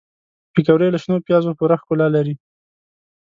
پکورې له شنو پیازو پوره ښکلا لري